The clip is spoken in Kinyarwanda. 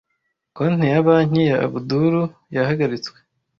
Konte ya banki ya Abudul yahagaritswe